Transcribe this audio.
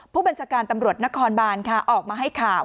ผู้บัญชาการตำรวจนครบานค่ะออกมาให้ข่าว